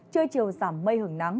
trưa chiều giảm mây hưởng nắng